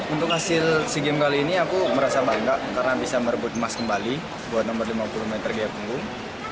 untuk hasil sea games kali ini aku merasa bangga karena bisa merebut emas kembali buat nomor lima puluh meter gaya punggung